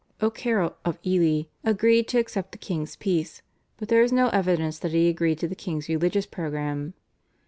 O'Carroll of Ely agreed to accept the king's peace, but there is no evidence that he agreed to the king's religious programme.